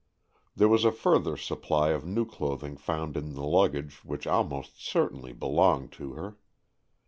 There was a further supply of new clothing found in luggage which almost certainly belonged to her.